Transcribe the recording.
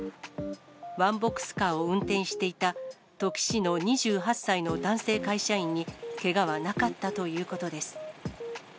ワンボックスカーを運転していた、土岐市の２８歳の男性会社員にけがはなかったということです。